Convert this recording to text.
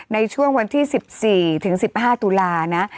ในช่วงวันที่๑๔ถึง๑๕ตุลานะ